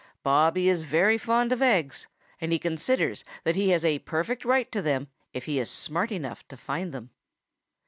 Bobby is very fond of eggs, and he considers that he has a perfect right to them if he is smart enough to find them.